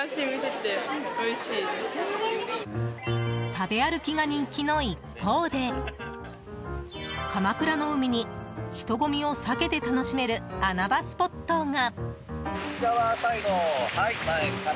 食べ歩きが人気の一方で鎌倉の海に人混みを避けて楽しめる穴場スポットが。